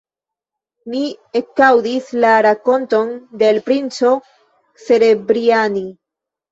Mi ekaŭdis la rakonton de l' princo Serebrjanij.